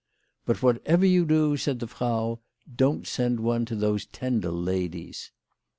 " But whatever you do," said the Frau, " don't send one to those Tendel ladies."